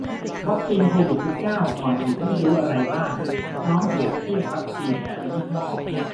วัคซีนโควิด สิบเก้า ก่อนฉีดต้องรู้อะไรบ้าง พร้อมเปรียบเทียบวัคซีนแต่ละยี่ห้อ